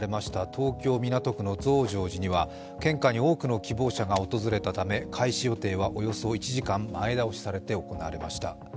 東京・港区の増上寺には献花に多くの希望者が訪れたため開始予定は、およそ１時間前倒しされて行われました。